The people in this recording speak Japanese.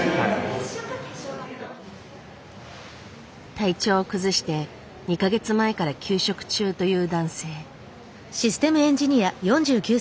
体調を崩して２か月前から休職中という男性。